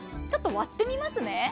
ちょっと割ってみますね。